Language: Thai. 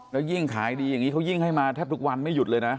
แล้วยิ่งขายดีอย่างนี้เขายิ่งให้มาแทบทุกวันไม่หยุดเลยนะ